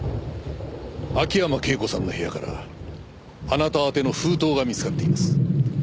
秋山圭子さんの部屋からあなたあての封筒が見つかっています。